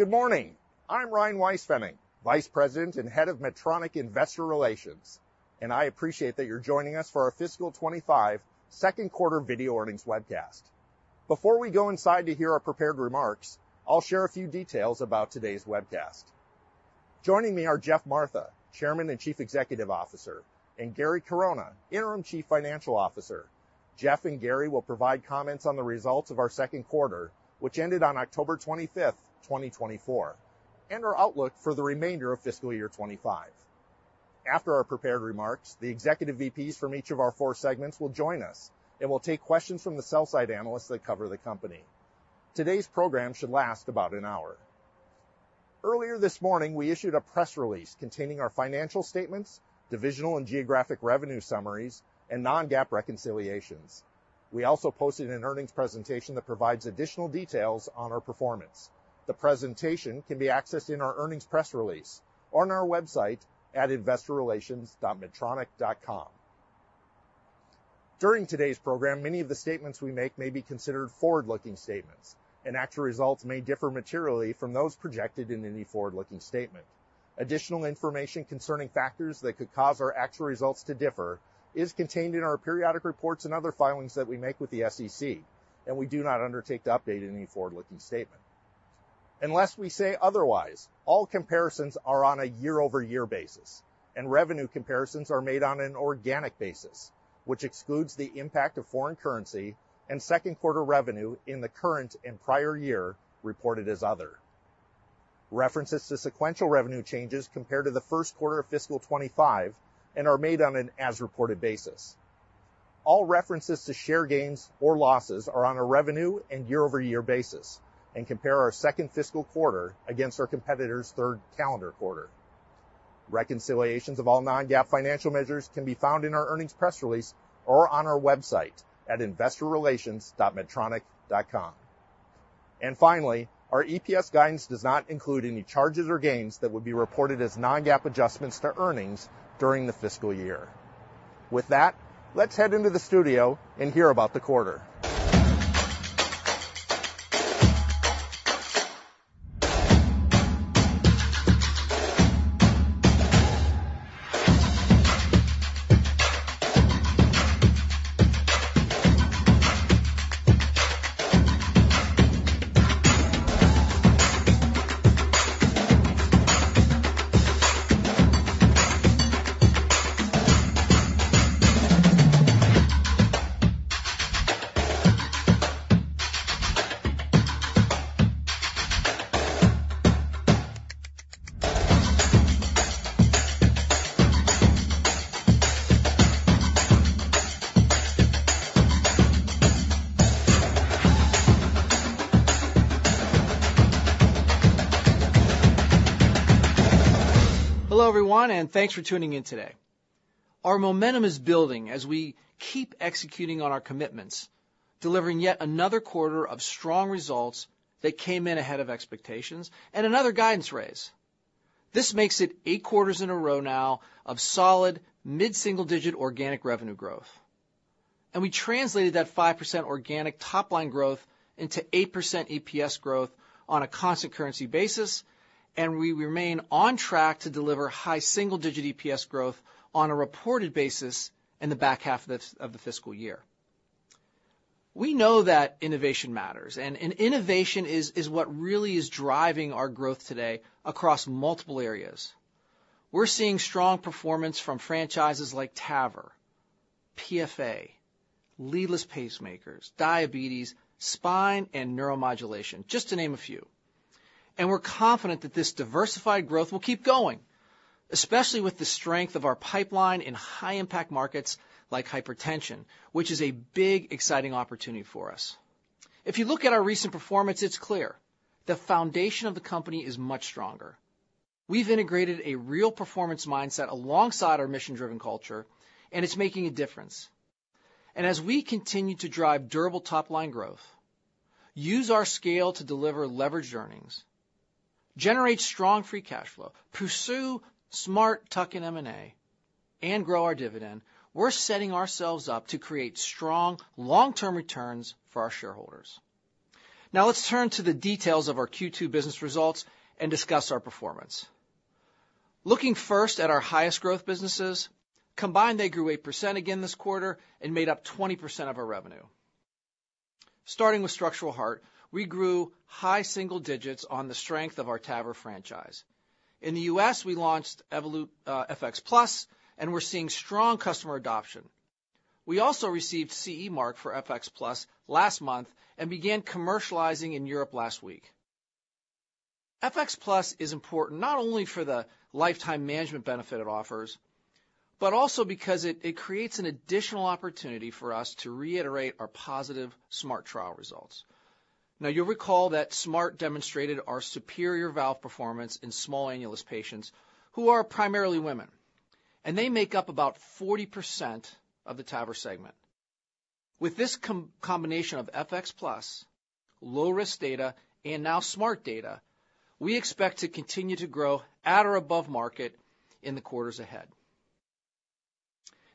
Good morning. I'm Ryan Weispfenning, Vice President and Head of Medtronic Investor Relations, and I appreciate that you're joining us for our Fiscal 25 Second Quarter Video Earnings webcast. Before we go inside to hear our prepared remarks, I'll share a few details about today's webcast. Joining me are Geoff Martha, Chairman and Chief Executive Officer, and Gary Corona, Interim Chief Financial Officer. Geoff and Gary will provide comments on the results of our second quarter, which ended on October 25, 2024, and our outlook for the remainder of Fiscal Year 25. After our prepared remarks, the Executive VPs from each of our four segments will join us and will take questions from the sell-side analysts that cover the company. Today's program should last about an hour. Earlier this morning, we issued a press release containing our financial statements, divisional and geographic revenue summaries, and non-GAAP reconciliations. We also posted an earnings presentation that provides additional details on our performance. The presentation can be accessed in our earnings press release or on our website at investorrelations.medtronic.com. During today's program, many of the statements we make may be considered forward-looking statements, and actual results may differ materially from those projected in any forward-looking statement. Additional information concerning factors that could cause our actual results to differ is contained in our periodic reports and other filings that we make with the SEC, and we do not undertake to update any forward-looking statement. Unless we say otherwise, all comparisons are on a year-over-year basis, and revenue comparisons are made on an organic basis, which excludes the impact of foreign currency and second quarter revenue in the current and prior year reported as other. References to sequential revenue changes compare to the first quarter of Fiscal 25 and are made on an as-reported basis. All references to share gains or losses are on a revenue and year-over-year basis and compare our second fiscal quarter against our competitor's third calendar quarter. Reconciliations of all non-GAAP financial measures can be found in our earnings press release or on our website at investorrelations.medtronic.com. And finally, our EPS guidance does not include any charges or gains that would be reported as non-GAAP adjustments to earnings during the fiscal year. With that, let's head into the studio and hear about the quarter. Hello everyone, and thanks for tuning in today. Our momentum is building as we keep executing on our commitments, delivering yet another quarter of strong results that came in ahead of expectations and another guidance raise. This makes it eight quarters in a row now of solid mid-single digit organic revenue growth, and we translated that 5% organic top-line growth into 8% EPS growth on a constant currency basis, and we remain on track to deliver high single digit EPS growth on a reported basis in the back half of the fiscal year. We know that innovation matters, and innovation is what really is driving our growth today across multiple areas. We're seeing strong performance from franchises like TAVR, PFA, Leadless Pacemakers, diabetes, spine, and neuromodulation, just to name a few. And we're confident that this diversified growth will keep going, especially with the strength of our pipeline in high-impact markets like hypertension, which is a big, exciting opportunity for us. If you look at our recent performance, it's clear the foundation of the company is much stronger. We've integrated a real performance mindset alongside our mission-driven culture, and it's making a difference. And as we continue to drive durable top-line growth, use our scale to deliver leveraged earnings, generate strong free cash flow, pursue smart tuck-in M&A, and grow our dividend, we're setting ourselves up to create strong long-term returns for our shareholders. Now let's turn to the details of our Q2 business results and discuss our performance. Looking first at our highest growth businesses, combined they grew 8% again this quarter and made up 20% of our revenue. Starting with Structural Heart, we grew high single digits on the strength of our TAVR franchise. In the U.S., we launched Evolut FX+, and we're seeing strong customer adoption. We also received CE mark for FX+ last month and began commercializing in Europe last week. FX+ is important not only for the lifetime management benefit it offers, but also because it creates an additional opportunity for us to reiterate our positive SMART Trial results. Now you'll recall that SMART demonstrated our superior valve performance in small annulus patients, who are primarily women, and they make up about 40% of the TAVR segment. With this combination of FX+, low-risk data, and now SMART data, we expect to continue to grow at or above market in the quarters ahead.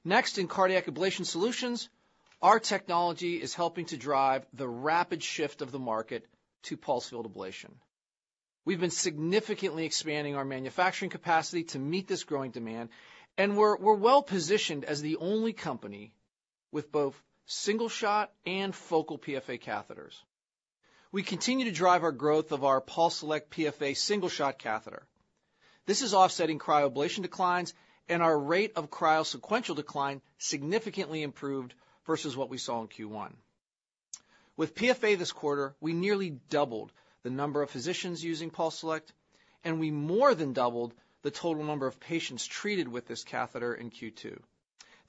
Next, in cardiac ablation solutions, our technology is helping to drive the rapid shift of the market to pulsed field ablation. We've been significantly expanding our manufacturing capacity to meet this growing demand, and we're well positioned as the only company with both single shot and focal PFA catheters. We continue to drive our growth of our PulseSelect PFA single shot catheter. This is offsetting cryoablation declines, and our rate of cryo sequential decline significantly improved versus what we saw in Q1. With PFA this quarter, we nearly doubled the number of physicians using PulseSelect, and we more than doubled the total number of patients treated with this catheter in Q2.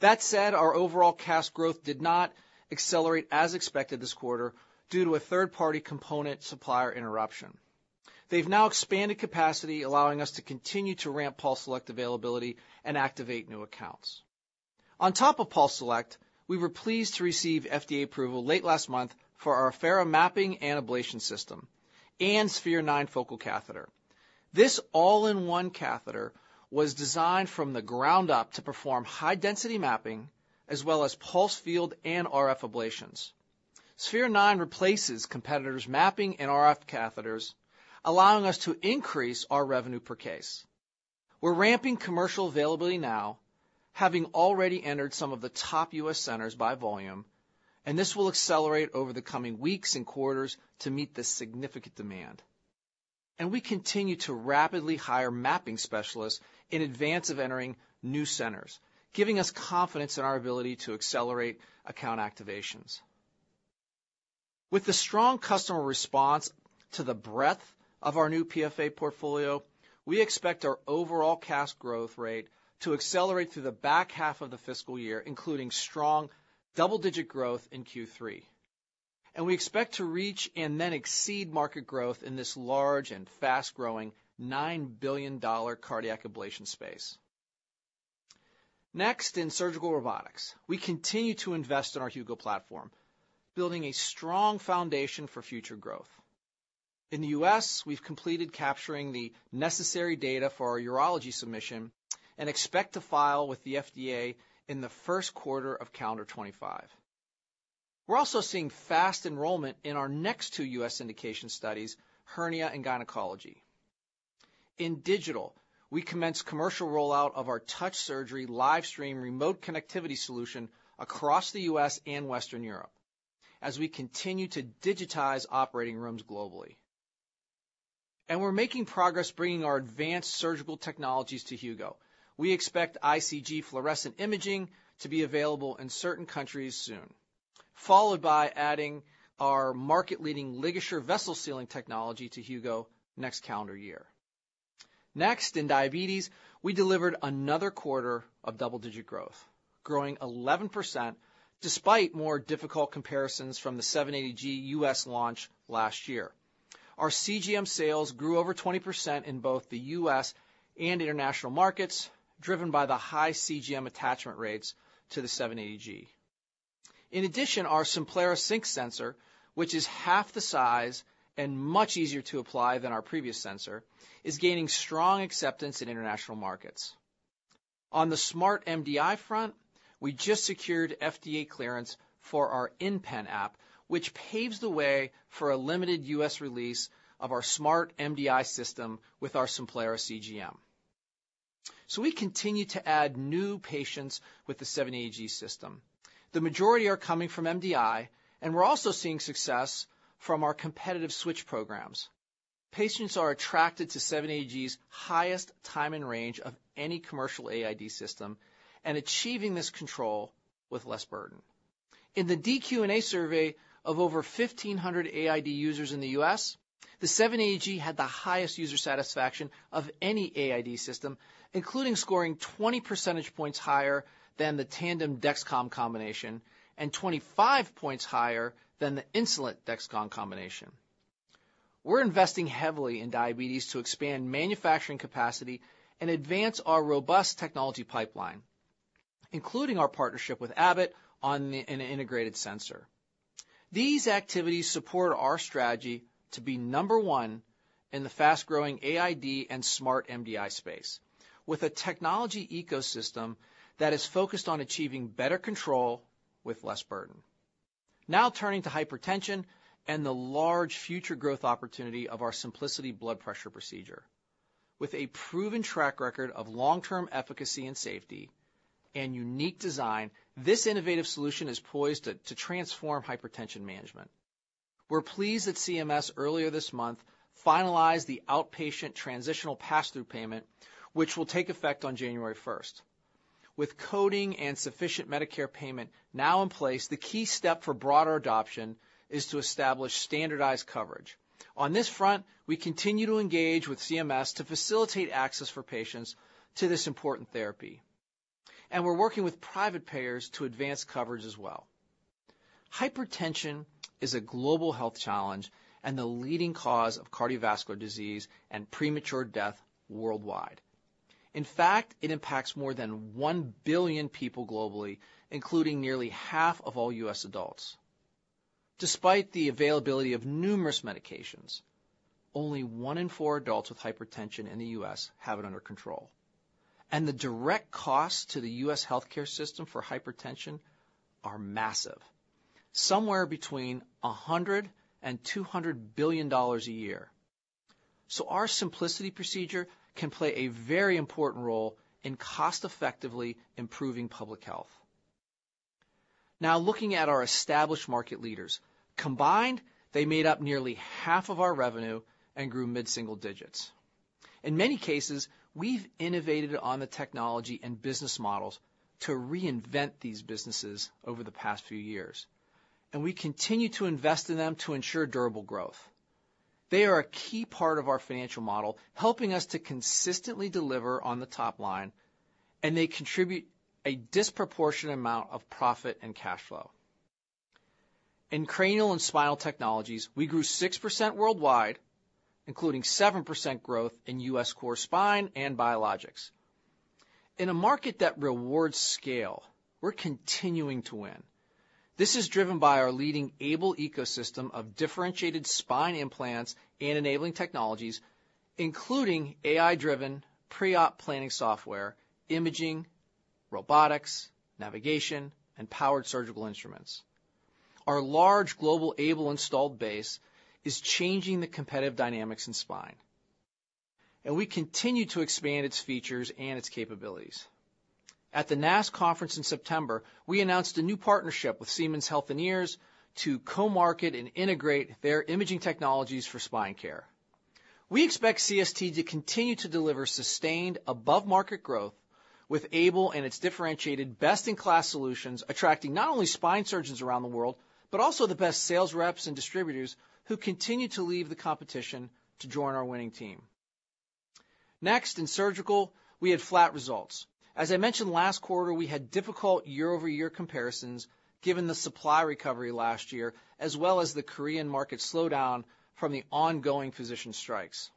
That said, our overall CAS growth did not accelerate as expected this quarter due to a third-party component supplier interruption. They've now expanded capacity, allowing us to continue to ramp PulseSelect availability and activate new accounts. On top of PulseSelect, we were pleased to receive FDA approval late last month for our Affera mapping and ablation system and Sphere-9 focal catheter. This all-in-one catheter was designed from the ground up to perform high-density mapping as well as pulsed field and RF ablations. Sphere-9 replaces competitors' mapping and RF catheters, allowing us to increase our revenue per case. We're ramping commercial availability now, having already entered some of the top U.S., centers by volume, and this will accelerate over the coming weeks and quarters to meet the significant demand, and we continue to rapidly hire mapping specialists in advance of entering new centers, giving us confidence in our ability to accelerate account activations. With the strong customer response to the breadth of our new PFA portfolio, we expect our overall CAS growth rate to accelerate through the back half of the fiscal year, including strong double-digit growth in Q3, and we expect to reach and then exceed market growth in this large and fast-growing $9 billion cardiac ablation space. Next, in surgical robotics, we continue to invest in our Hugo platform, building a strong foundation for future growth. In the U.S., we've completed capturing the necessary data for our urology submission and expect to file with the FDA in the first quarter of calendar 2025. We're also seeing fast enrollment in our next two U.S., indication studies, hernia and gynecology. In digital, we commence commercial rollout of our Touch Surgery livestream remote connectivity solution across the U.S., and Western Europe as we continue to digitize operating rooms globally. And we're making progress bringing our advanced surgical technologies to Hugo. We expect ICG fluorescent imaging to be available in certain countries soon, followed by adding our market-leading LigaSure vessel sealing technology to Hugo next calendar year. Next, in diabetes, we delivered another quarter of double-digit growth, growing 11% despite more difficult comparisons from the 780G U.S., launch last year. Our CGM sales grew over 20% in both the U.S., and international markets, driven by the high CGM attachment rates to the 780G. In addition, our Simplera Sync sensor, which is half the size and much easier to apply than our previous sensor, is gaining strong acceptance in international markets. On the Smart MDI front, we just secured FDA clearance for our InPen app, which paves the way for a limited U.S., release of our Smart MDI system with our Simplera CGM. We continue to add new patients with the 780G system. The majority are coming from MDI, and we're also seeing success from our competitive switch programs. Patients are attracted to 780G's highest time in range of any commercial AID system and achieving this control with less burden. In the dQ&A survey of over 1,500 AID users in the U.S., the 780G had the highest user satisfaction of any AID system, including scoring 20 percentage points higher than the Tandem Dexcom combination and 25 points higher than the Insulet Dexcom combination. We're investing heavily in diabetes to expand manufacturing capacity and advance our robust technology pipeline, including our partnership with Abbott on an integrated sensor. These activities support our strategy to be number one in the fast-growing AID and Smart MDI space, with a technology ecosystem that is focused on achieving better control with less burden. Now turning to hypertension and the large future growth opportunity of our Symplicity blood pressure procedure. With a proven track record of long-term efficacy and safety and unique design, this innovative solution is poised to transform hypertension management. We're pleased that CMS earlier this month finalized the outpatient transitional pass-through payment, which will take effect on January 1st. With coding and sufficient Medicare payment now in place, the key step for broader adoption is to establish standardized coverage. On this front, we continue to engage with CMS to facilitate access for patients to this important therapy. And we're working with private payers to advance coverage as well. Hypertension is a global health challenge and the leading cause of cardiovascular disease and premature death worldwide. In fact, it impacts more than 1 billion people globally, including nearly half of all U.S., adults. Despite the availability of numerous medications, only one in four adults with hypertension in the U.S., have it under control, and the direct costs to the U.S., healthcare system for hypertension are massive, somewhere between $100 billion and $200 billion a year, so our Symplicity procedure can play a very important role in cost-effectively improving public health. Now looking at our established market leaders, combined, they made up nearly half of our revenue and grew mid-single digits. In many cases, we've innovated on the technology and business models to reinvent these businesses over the past few years. And we continue to invest in them to ensure durable growth. They are a key part of our financial model, helping us to consistently deliver on the top line, and they contribute a disproportionate amount of profit and cash flow. In cranial and spinal technologies, we grew 6% worldwide, including 7% growth in U.S. Core Spine and Biologics. In a market that rewards scale, we're continuing to win. This is driven by our leading AiBLE ecosystem of differentiated spine implants and enabling technologies, including AI-driven pre-op planning software, imaging, robotics, navigation, and powered surgical instruments. Our large global AiBLE installed base is changing the competitive dynamics in spine. And we continue to expand its features and its capabilities. At the NASS conference in September, we announced a new partnership with Siemens Healthineers to co-market and integrate their imaging technologies for spine care. We expect CST to continue to deliver sustained above-market growth with AiBLE and its differentiated best-in-class solutions, attracting not only spine surgeons around the world, but also the best sales reps and distributors who continue to leave the competition to join our winning team. Next, in surgical, we had flat results. As I mentioned, last quarter, we had difficult year-over-year comparisons given the supply recovery last year, as well as the Korean market slowdown from the ongoing physician strikes.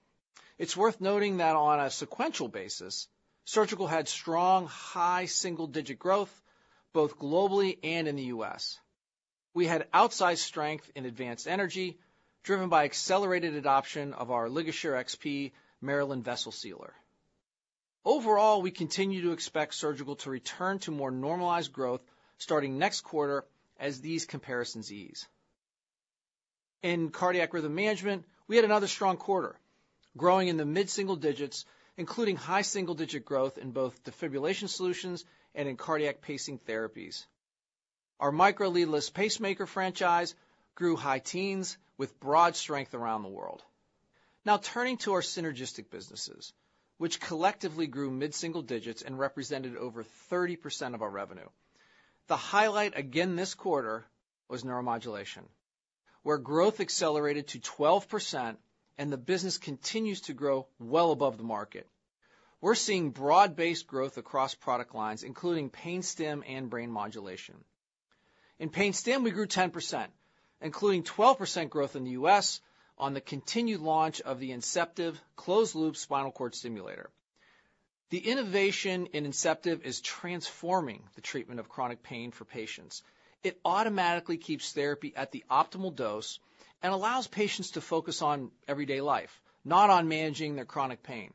It's worth noting that on a sequential basis, surgical had strong high single-digit growth both globally and in the U.S. We had outsized strength in advanced energy, driven by accelerated adoption of our LigaSure XP Maryland vessel sealer. Overall, we continue to expect surgical to return to more normalized growth starting next quarter as these comparisons ease. In cardiac rhythm management, we had another strong quarter, growing in the mid-single digits, including high single-digit growth in both defibrillation solutions and in cardiac pacing therapies. Our Micra leadless pacemaker franchise grew high teens with broad strength around the world. Now turning to our synergistic businesses, which collectively grew mid-single digits and represented over 30% of our revenue. The highlight again this quarter was neuromodulation, where growth accelerated to 12%, and the business continues to grow well above the market. We're seeing broad-based growth across product lines, including pain stim and brain modulation. In pain stim, we grew 10%, including 12% growth in the U.S., on the continued launch of the Inceptiv closed-loop spinal cord stimulator. The innovation in Inceptiv is transforming the treatment of chronic pain for patients. It automatically keeps therapy at the optimal dose and allows patients to focus on everyday life, not on managing their chronic pain.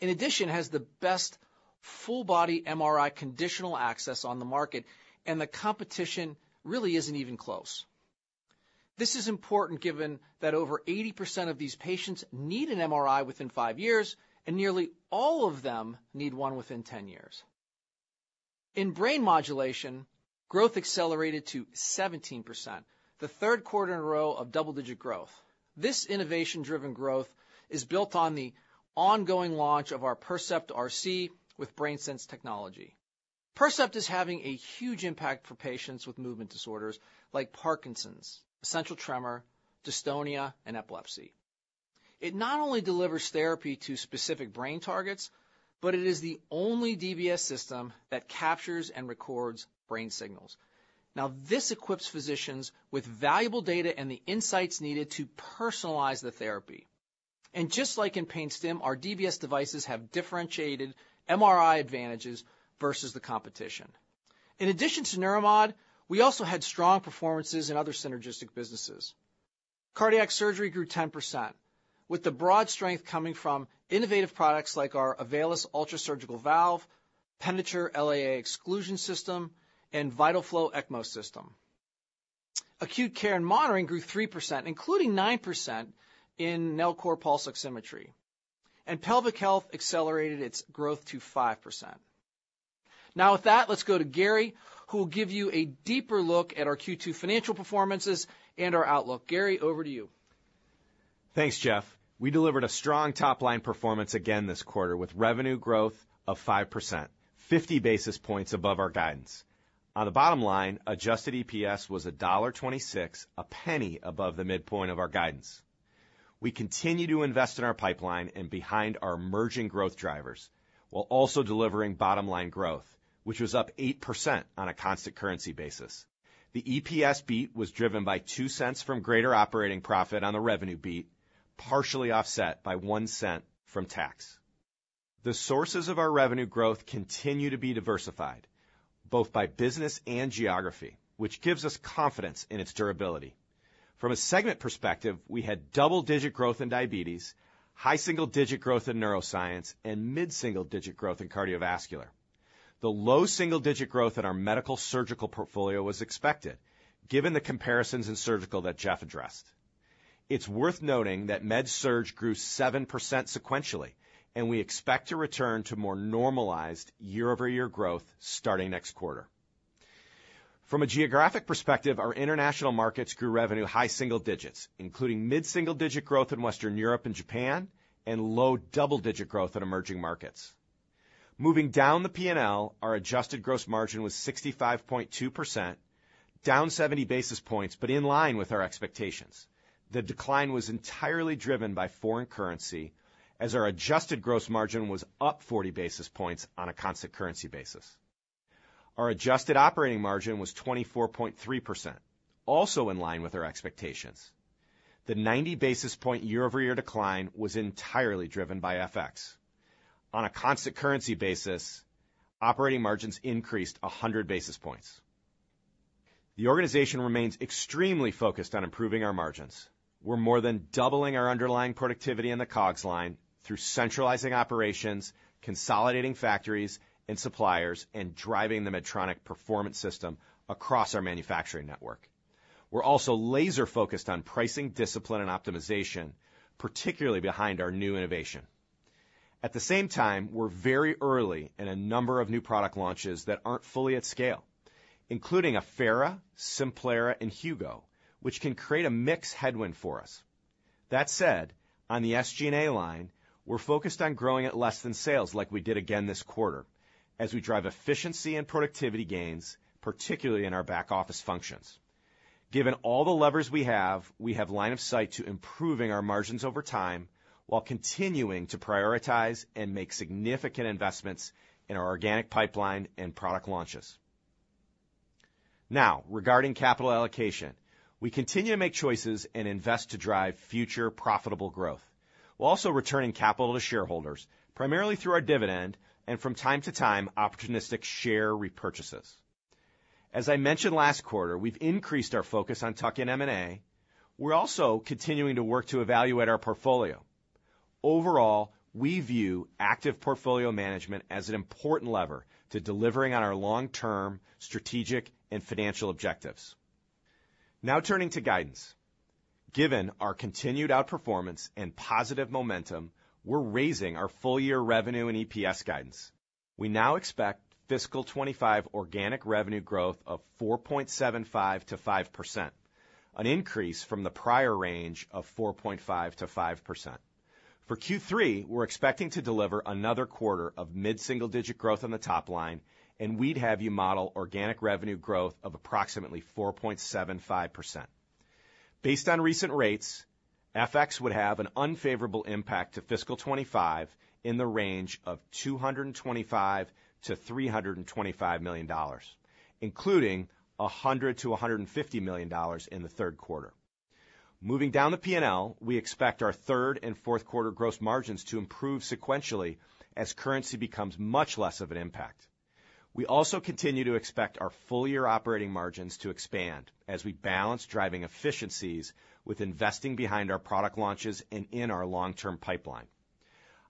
In addition, it has the best full-body MRI conditional access on the market, and the competition really isn't even close. This is important given that over 80% of these patients need an MRI within five years, and nearly all of them need one within 10 years. In brain modulation, growth accelerated to 17%, the third quarter in a row of double-digit growth. This innovation-driven growth is built on the ongoing launch of our Percept RC with BrainSense technology. Percept is having a huge impact for patients with movement disorders like Parkinson's, essential tremor, dystonia, and epilepsy. It not only delivers therapy to specific brain targets, but it is the only DBS system that captures and records brain signals. Now, this equips physicians with valuable data and the insights needed to personalize the therapy, and just like in pain stim, our DBS devices have differentiated MRI advantages versus the competition. In addition to Neuromod, we also had strong performances in other synergistic businesses. Cardiac surgery grew 10%, with the broad strength coming from innovative products like our Avalus Ultra Surgical Valve, Penditure LAA Exclusion System, and VitalFlow ECMO System. Acute care and monitoring grew 3%, including 9% in Nellcor Pulse Oximetry, and pelvic health accelerated its growth to 5%. Now with that, let's go to Gary, who will give you a deeper look at our Q2 financial performances and our outlook. Gary, over to you. Thanks, Geoff. We delivered a strong top-line performance again this quarter with revenue growth of 5%, 50 basis points above our guidance. On the bottom line, adjusted EPS was $1.26, a penny above the midpoint of our guidance. We continue to invest in our pipeline and behind our emerging growth drivers while also delivering bottom-line growth, which was up 8% on a constant currency basis. The EPS beat was driven by $0.02 from greater operating profit on the revenue beat, partially offset by $0.01 from tax. The sources of our revenue growth continue to be diversified, both by business and geography, which gives us confidence in its durability. From a segment perspective, we had double-digit growth in diabetes, high single-digit growth in neuroscience, and mid-single-digit growth in cardiovascular. The low single-digit growth in our medical surgical portfolio was expected, given the comparisons in surgical that Geoff addressed. It's worth noting that Med-Surg grew 7% sequentially, and we expect to return to more normalized year-over-year growth starting next quarter. From a geographic perspective, our international markets grew revenue high single digits, including mid-single-digit growth in Western Europe and Japan, and low double-digit growth in emerging markets. Moving down the P&L, our adjusted gross margin was 65.2%, down 70 basis points, but in line with our expectations. The decline was entirely driven by foreign currency, as our adjusted gross margin was up 40 basis points on a constant currency basis. Our adjusted operating margin was 24.3%, also in line with our expectations. The 90 basis point year-over-year decline was entirely driven by FX. On a constant currency basis, operating margins increased 100 basis points. The organization remains extremely focused on improving our margins. We're more than doubling our underlying productivity in the COGS line through centralizing operations, consolidating factories and suppliers, and driving the Medtronic Performance System across our manufacturing network. We're also laser-focused on pricing discipline and optimization, particularly behind our new innovation. At the same time, we're very early in a number of new product launches that aren't fully at scale, including Affera, Simplera, and Hugo, which can create a mixed headwind for us. That said, on the SG&A line, we're focused on growing at less than sales like we did again this quarter, as we drive efficiency and productivity gains, particularly in our back-office functions. Given all the levers we have, we have line of sight to improving our margins over time while continuing to prioritize and make significant investments in our organic pipeline and product launches. Now, regarding capital allocation, we continue to make choices and invest to drive future profitable growth, while also returning capital to shareholders, primarily through our dividend and from time to time, opportunistic share repurchases. As I mentioned last quarter, we've increased our focus on tuck-in and M&A. We're also continuing to work to evaluate our portfolio. Overall, we view active portfolio management as an important lever to delivering on our long-term strategic and financial objectives. Now turning to guidance. Given our continued outperformance and positive momentum, we're raising our full-year revenue and EPS guidance. We now expect fiscal '25 organic revenue growth of 4.75%-5%, an increase from the prior range of 4.5%-5%. For Q3, we're expecting to deliver another quarter of mid-single-digit growth on the top line, and we'd have you model organic revenue growth of approximately 4.75%. Based on recent rates, FX would have an unfavorable impact to fiscal '25 in the range of $225 million-$325 million, including $100 million-$150 million in the third quarter. Moving down the P&L, we expect our third and fourth quarter gross margins to improve sequentially as currency becomes much less of an impact. We also continue to expect our full-year operating margins to expand as we balance driving efficiencies with investing behind our product launches and in our long-term pipeline.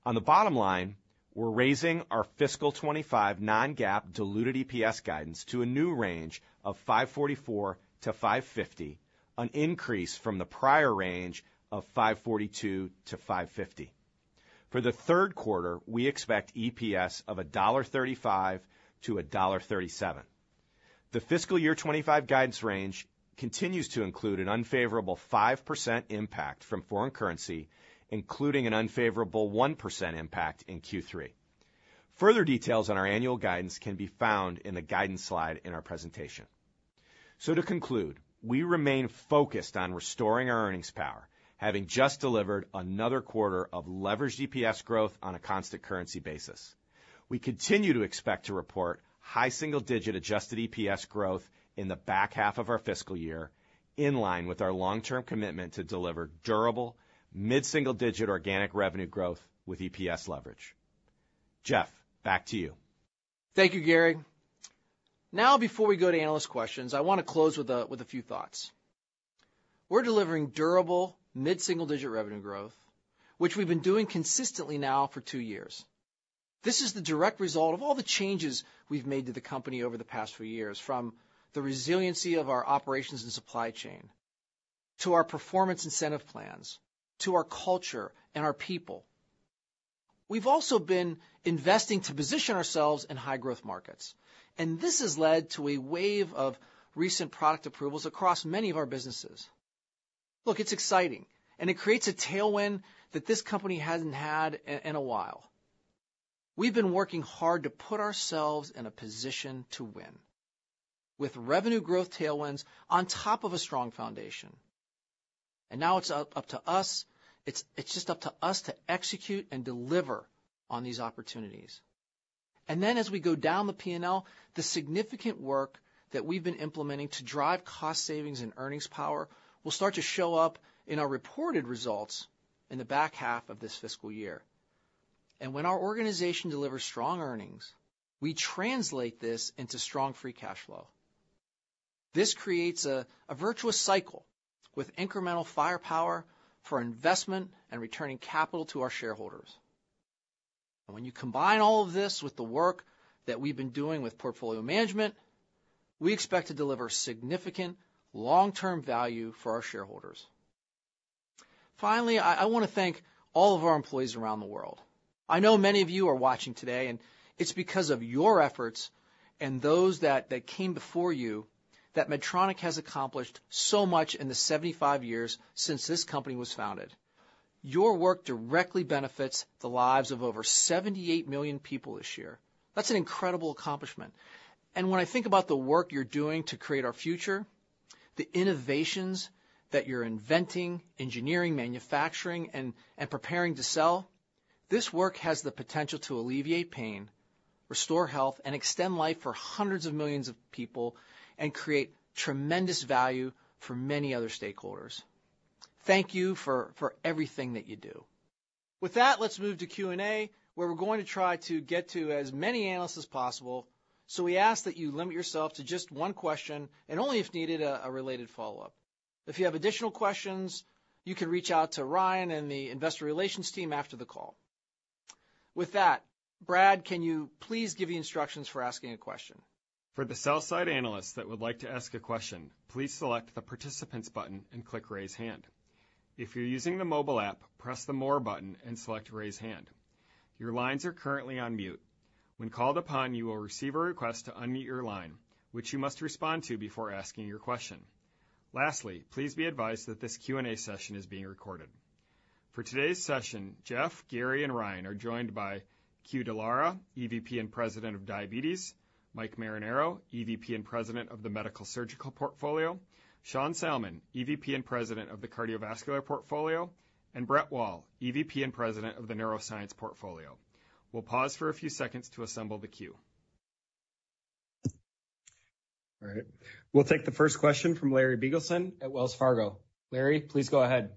On the bottom line, we're raising our fiscal 2025 non-GAAP diluted EPS guidance to a new range of $5.44-$5.50, an increase from the prior range of $5.42-$5.50. For the third quarter, we expect EPS of $1.35-$1.37. The fiscal year 2025 guidance range continues to include an unfavorable 5% impact from foreign currency, including an unfavorable 1% impact in Q3. Further details on our annual guidance can be found in the guidance slide in our presentation. So to conclude, we remain focused on restoring our earnings power, having just delivered another quarter of leveraged EPS growth on a constant currency basis. We continue to expect to report high single-digit adjusted EPS growth in the back half of our fiscal year, in line with our long-term commitment to deliver durable mid-single-digit organic revenue growth with EPS leverage. Geoff, back to you. Thank you, Gary. Now, before we go to analyst questions, I want to close with a few thoughts. We're delivering durable mid-single-digit revenue growth, which we've been doing consistently now for two years. This is the direct result of all the changes we've made to the company over the past few years, from the resiliency of our operations and supply chain to our performance incentive plans to our culture and our people. We've also been investing to position ourselves in high-growth markets, and this has led to a wave of recent product approvals across many of our businesses. Look, it's exciting, and it creates a tailwind that this company hasn't had in a while. We've been working hard to put ourselves in a position to win, with revenue growth tailwinds on top of a strong foundation, and now it's up to us. It's just up to us to execute and deliver on these opportunities. And then, as we go down the P&L, the significant work that we've been implementing to drive cost savings and earnings power will start to show up in our reported results in the back half of this fiscal year. And when our organization delivers strong earnings, we translate this into strong free cash flow. This creates a virtuous cycle with incremental firepower for investment and returning capital to our shareholders. And when you combine all of this with the work that we've been doing with portfolio management, we expect to deliver significant long-term value for our shareholders. Finally, I want to thank all of our employees around the world. I know many of you are watching today, and it's because of your efforts and those that came before you that Medtronic has accomplished so much in the 75 years since this company was founded. Your work directly benefits the lives of over 78 million people this year. That's an incredible accomplishment. And when I think about the work you're doing to create our future, the innovations that you're inventing, engineering, manufacturing, and preparing to sell, this work has the potential to alleviate pain, restore health, and extend life for hundreds of millions of people and create tremendous value for many other stakeholders. Thank you for everything that you do. With that, let's move to Q&A, where we're going to try to get to as many analysts as possible. So we ask that you limit yourself to just one question and only, if needed, a related follow-up. If you have additional questions, you can reach out to Ryan and the investor relations team after the call. With that, Brad, can you please give your instructions for asking a question? For the sell-side analysts that would like to ask a question, please select the Participants button and click Raise Hand. If you're using the mobile app, press the More button and select Raise Hand. Your lines are currently on mute. When called upon, you will receive a request to unmute your line, which you must respond to before asking your question. Lastly, please be advised that this Q&A session is being recorded. For today's session, Geoff, Gary, and Ryan are joined by Que Dallara, EVP and President of Diabetes, Mike Marinaro, EVP and President of the Medical Surgical Portfolio, Sean Salmon, EVP and President of the Cardiovascular Portfolio, and Brett Wall, EVP and President of the Neuroscience Portfolio. We'll pause for a few seconds to assemble the queue. All right. We'll take the first question from Larry Biegelsen at Wells Fargo. Larry, please go ahead.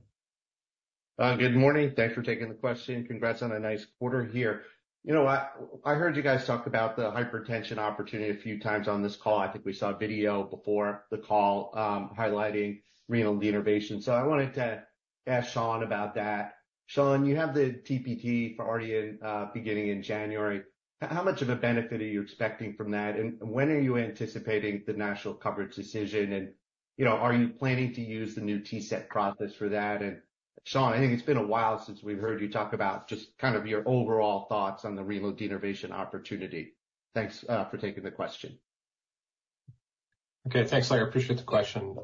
Good morning. Thanks for taking the question. Congrats on a nice quarter here. You know what? I heard you guys talk about the hypertension opportunity a few times on this call. I think we saw a video before the call highlighting renal denervation. So I wanted to ask Sean about that. Sean, you have the TPT already beginning in January. How much of a benefit are you expecting from that? And when are you anticipating the national coverage decision? And are you planning to use the new TCET process for that? And Sean, I think it's been a while since we've heard you talk about just kind of your overall thoughts on the renal denervation opportunity. Thanks for taking the question. Okay. Thanks, Larry. I appreciate the question.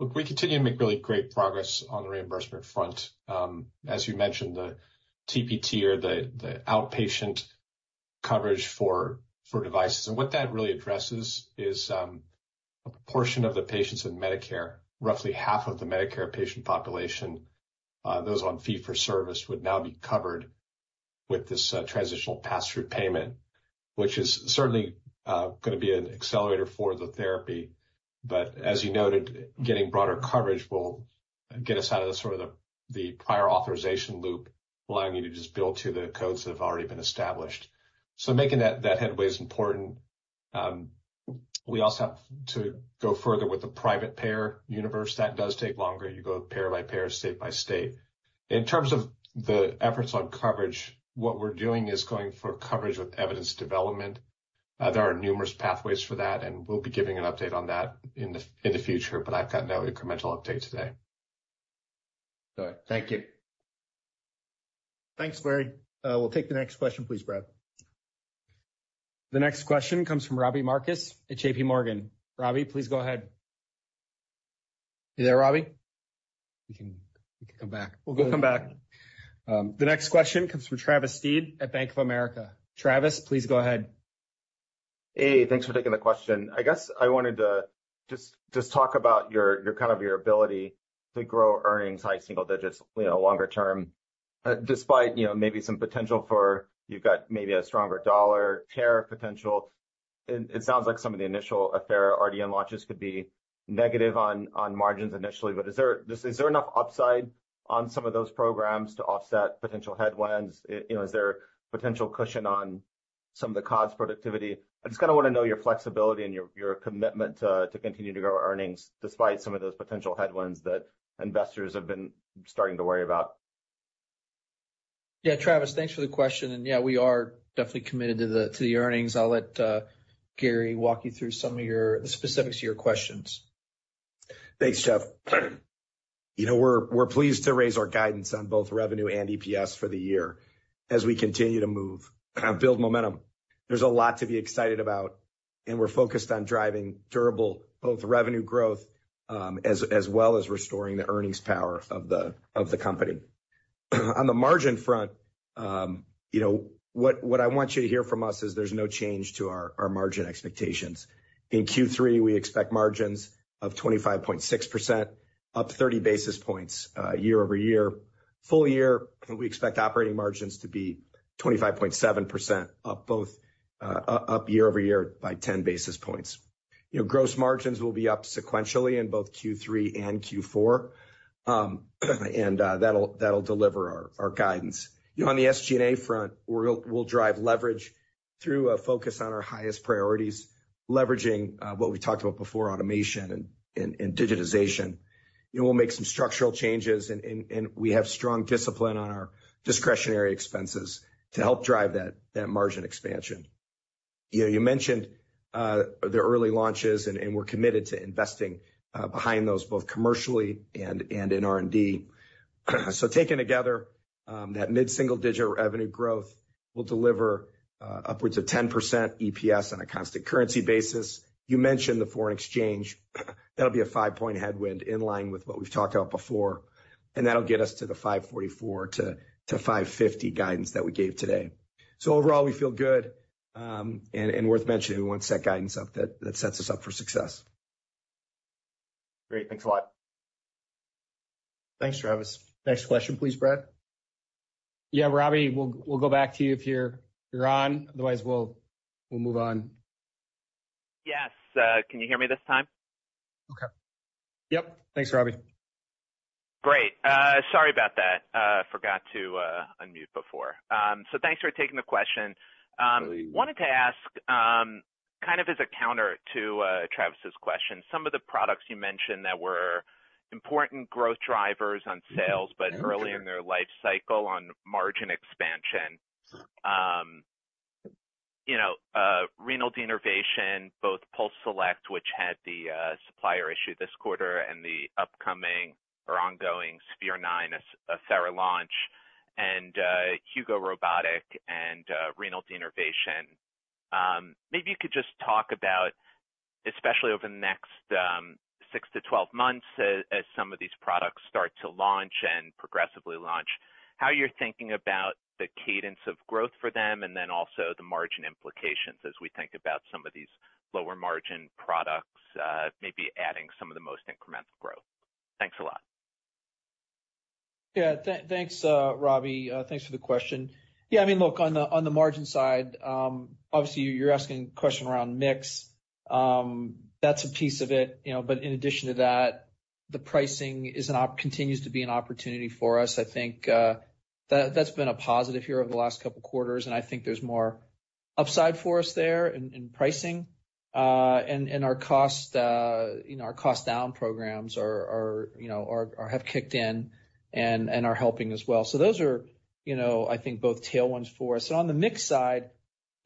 Look, we continue to make really great progress on the reimbursement front. As you mentioned, the TPT, or the outpatient coverage for devices, and what that really addresses is a portion of the patients in Medicare, roughly half of the Medicare patient population, those on fee-for-service, would now be covered with this transitional pass-through payment, which is certainly going to be an accelerator for the therapy, but as you noted, getting broader coverage will get us out of sort of the prior authorization loop, allowing you to just bill to the codes that have already been established, so making that headway is important. We also have to go further with the private payer universe. That does take longer. You go payer by payer, state by state. In terms of the efforts on coverage, what we're doing is going for coverage with evidence development. There are numerous pathways for that, and we'll be giving an update on that in the future, but I've got no incremental update today. All right. Thank you. Thanks, Larry. We'll take the next question, please, Brad. The next question comes from Robbie Marcus at JP Morgan. Robbie, please go ahead. Hey there, Robbie. We can come back. We'll come back. The next question comes from Travis Steed at Bank of America. Travis, please go ahead. Hey, thanks for taking the question. I guess I wanted to just talk about kind of your ability to grow earnings high single digits longer term, despite maybe some potential for you've got maybe a stronger dollar tariff potential. It sounds like some of the initial Affera RDN launches could be negative on margins initially, but is there enough upside on some of those programs to offset potential headwinds? Is there potential cushion on some of the COGS productivity? I just kind of want to know your flexibility and your commitment to continue to grow earnings despite some of those potential headwinds that investors have been starting to worry about. Yeah, Travis, thanks for the question, and yeah, we are definitely committed to the earnings. I'll let Gary walk you through some of the specifics of your questions. Thanks, Geoff. We're pleased to raise our guidance on both revenue and EPS for the year as we continue to move and build momentum. There's a lot to be excited about, and we're focused on driving durable both revenue growth as well as restoring the earnings power of the company. On the margin front, what I want you to hear from us is there's no change to our margin expectations. In Q3, we expect margins of 25.6%, up 30 basis points year over year. Full year, we expect operating margins to be 25.7%, up year over year by 10 basis points. Gross margins will be up sequentially in both Q3 and Q4, and that'll deliver our guidance. On the SG&A front, we'll drive leverage through a focus on our highest priorities, leveraging what we talked about before, automation and digitization. We'll make some structural changes, and we have strong discipline on our discretionary expenses to help drive that margin expansion. You mentioned the early launches, and we're committed to investing behind those both commercially and in R&D. So taken together, that mid-single-digit revenue growth will deliver upwards of 10% EPS on a constant currency basis. You mentioned the foreign exchange. That'll be a five-point headwind in line with what we've talked about before, and that'll get us to the $5.44-$5.50 guidance that we gave today. So overall, we feel good. And worth mentioning, we want to set guidance up that sets us up for success. Great. Thanks a lot. Thanks, Travis. Next question, please, Brad. Yeah, Robbie, we'll go back to you if you're on. Otherwise, we'll move on. Yes. Can you hear me this time? Okay. Yep. Thanks, Robbie. Great. Sorry about that. Forgot to unmute before. So thanks for taking the question. Wanted to ask kind of as a counter to Travis's question, some of the products you mentioned that were important growth drivers on sales, but early in their life cycle on margin expansion. Renal denervation, both PulseSelect, which had the supplier issue this quarter, and the upcoming or ongoing Sphere-9, Affera launch, and Hugo robotic and renal denervation. Maybe you could just talk about, especially over the next 6-12 months as some of these products start to launch and progressively launch, how you're thinking about the cadence of growth for them and then also the margin implications as we think about some of these lower margin products, maybe adding some of the most incremental growth. Thanks a lot. Yeah. Thanks, Robbie. Thanks for the question. Yeah. I mean, look, on the margin side, obviously, you're asking a question around mix. That's a piece of it. But in addition to that, the pricing continues to be an opportunity for us. I think that's been a positive here over the last couple of quarters. And I think there's more upside for us there in pricing. And our cost-down programs have kicked in and are helping as well. So those are, I think, both tailwinds for us. So on the mixed side,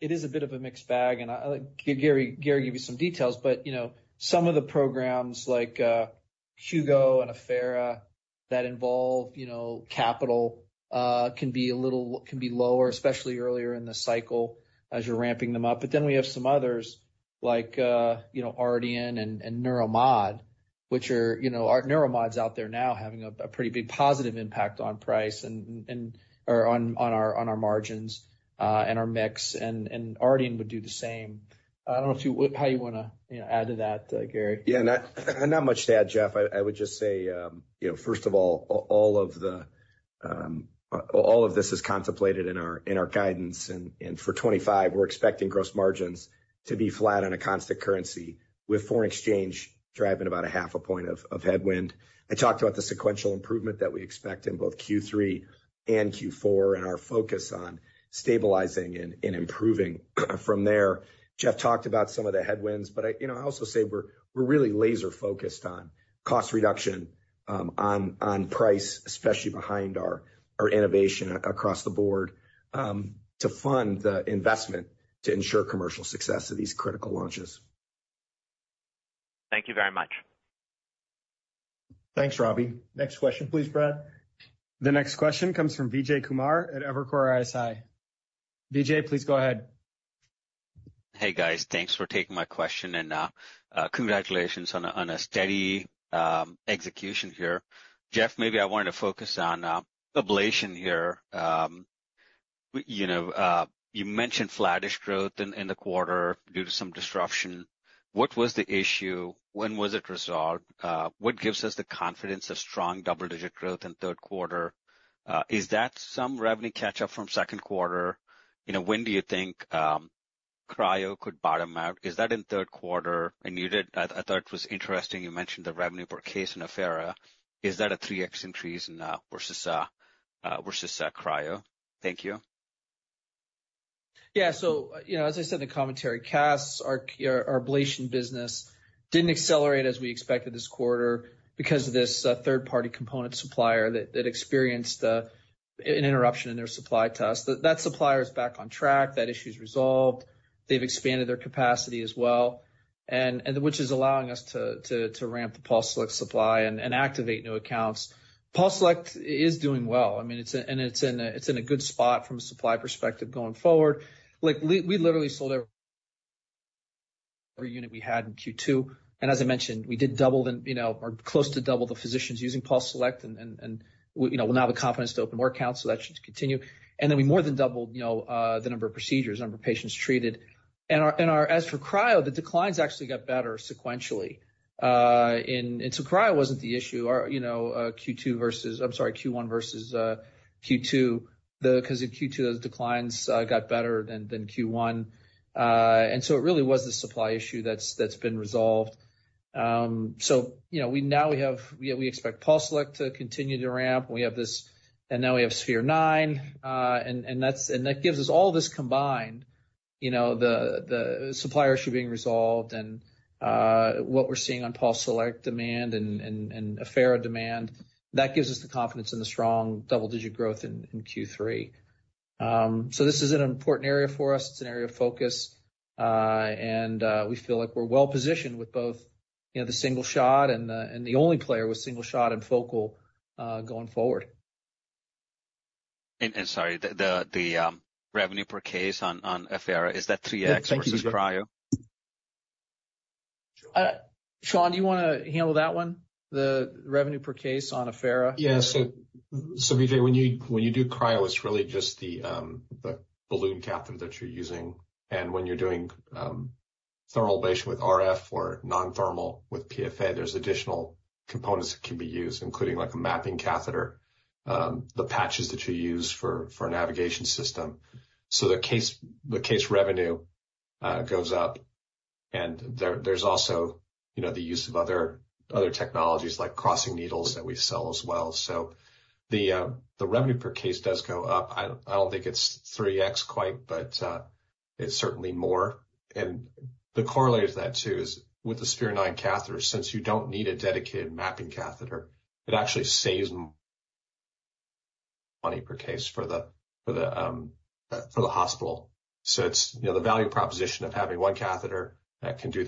it is a bit of a mixed bag. And I'll let Gary give you some details. But some of the programs like Hugo and Affera that involve capital can be lower, especially earlier in the cycle as you're ramping them up. But then we have some others like RDN and neuromod, which are neuromod's out there now having a pretty big positive impact on price or on our margins and our mix. And RDN would do the same. I don't know how you want to add to that, Gary. Yeah. Not much to add, Geoff. I would just say, first of all, all of this is contemplated in our guidance. And for 2025, we're expecting gross margins to be flat on a constant currency with foreign exchange driving about 0.5 point of headwind. I talked about the sequential improvement that we expect in both Q3 and Q4 and our focus on stabilizing and improving from there. Geoff talked about some of the headwinds, but I also say we're really laser-focused on cost reduction on price, especially behind our innovation across the board to fund the investment to ensure commercial success of these critical launches. Thank you very much. Thanks, Robbie. Next question, please, Brad. The next question comes from Vijay Kumar at Evercore ISI. Vijay, please go ahead. Hey, guys. Thanks for taking my question. And congratulations on a steady execution here. Geoff, maybe I wanted to focus on ablation here. You mentioned flattish growth in the quarter due to some disruption. What was the issue? When was it resolved? What gives us the confidence of strong double-digit growth in third quarter? Is that some revenue catch-up from second quarter? When do you think Cryo could bottom out? Is that in third quarter? And I thought it was interesting. You mentioned the revenue per case in Affera. Is that a 3x increase versus Cryo? Thank you. Yeah. So as I said, the commentary cast, our ablation business didn't accelerate as we expected this quarter because of this third-party component supplier that experienced an interruption in their supply chain. That supplier is back on track. That issue is resolved. They've expanded their capacity as well, which is allowing us to ramp the PulseSelect supply and activate new accounts. PulseSelect is doing well. I mean, and it's in a good spot from a supply perspective going forward. We literally sold every unit we had in Q2. And as I mentioned, we did double or close to double the physicians using PulseSelect. And we'll now have the confidence to open more accounts. So that should continue. And then we more than doubled the number of procedures, number of patients treated. And as for Cryo, the declines actually got better sequentially. And so Cryo wasn't the issue or Q2 versus. I'm sorry, Q1 versus Q2 because in Q2, those declines got better than Q1. And so it really was the supply issue that's been resolved. So now we expect PulseSelect to continue to ramp. And now we have Sphere-9. And that gives us all this combined, the supply issue being resolved and what we're seeing on PulseSelect demand and Affera demand. That gives us the confidence in the strong double-digit growth in Q3. So this is an important area for us. It's an area of focus. And we feel like we're well-positioned with both the single shot and the only player with single shot and focal going forward. Sorry, the revenue per case on Affera, is that 3x versus Cryo? Sean, do you want to handle that one? The revenue per case on Affera? Yeah. So Vijay, when you do Cryo, it's really just the balloon catheter that you're using. And when you're doing thermal ablation with RF or non-thermal with PFA, there's additional components that can be used, including a mapping catheter, the patches that you use for navigation system. So the case revenue goes up. And there's also the use of other technologies like crossing needles that we sell as well. So the revenue per case does go up. I don't think it's 3x quite, but it's certainly more. And the corollary to that too is with the Sphere-9 catheter, since you don't need a dedicated mapping catheter, it actually saves money per case for the hospital. So the value proposition of having one catheter that can do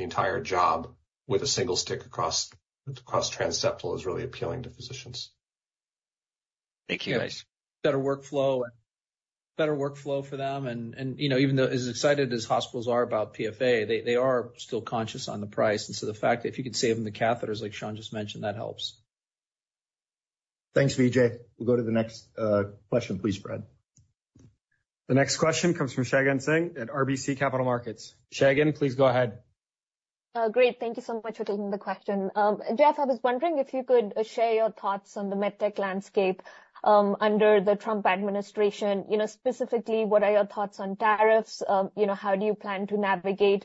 the entire job with a single stick across transseptal is really appealing to physicians. Thank you. Better workflow for them. And even though as excited as hospitals are about PFA, they are still conscious on the price. And so the fact that if you could save them the catheters, like Sean just mentioned, that helps. Thanks, Vijay. We'll go to the next question, please, Brad. The next question comes from Shagun Singh at RBC Capital Markets. Shagun, please go ahead. Great. Thank you so much for taking the question. Geoff, I was wondering if you could share your thoughts on the medtech landscape under the Trump administration. Specifically, what are your thoughts on tariffs? How do you plan to navigate